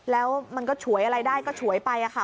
แล้วมันก็ฉวยอะไรได้ก็ฉวยไปค่ะ